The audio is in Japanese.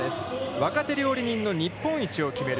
若手料理人の日本一を決める